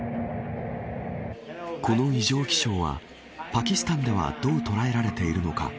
この異常気象はパキスタンではどう捉えられているのか。